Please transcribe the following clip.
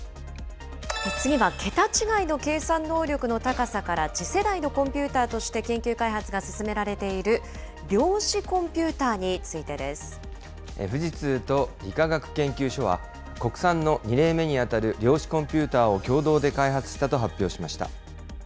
次は桁違いの計算能力の高さから、次世代のコンピューターとして研究開発が進められている量子コン富士通と理化学研究所は、国産の２例目に当たる量子コンピューターを共同で開発したと発表しました。